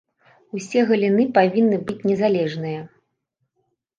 Усе галіны павінны быць незалежныя.